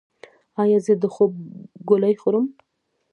ایا زه د خوب ګولۍ وخورم؟